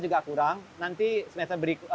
juga kurang nanti semester